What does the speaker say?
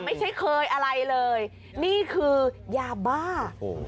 ไม่เคยอะไรเลยนี่คือยาบ้า